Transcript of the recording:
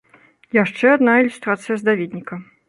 Яшчэ адна ілюстрацыя з даведніка.